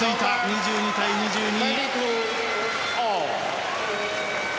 ２２対２２！